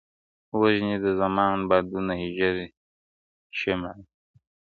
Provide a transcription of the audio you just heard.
• وژني د زمان بادونه ژر شمعي -